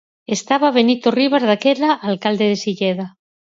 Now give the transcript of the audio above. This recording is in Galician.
Estaba Benito Ribas, daquela alcalde de Silleda.